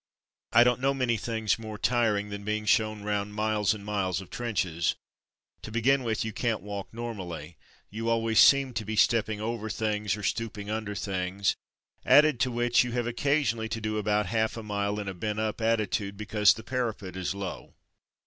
I don't know many things more tiring than being shown round miles and miles of trenches. To begin with, you can't walk normally — you always seem to be stepping over things or stooping under things ; added to which, you have occasionally to do about half a mile in a bent up attitude, because the parapet is low.